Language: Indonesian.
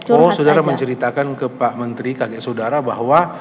oh saudara menceritakan ke pak menteri kakek saudara bahwa